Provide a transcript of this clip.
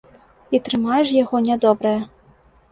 І трымае ж яго нядобрае!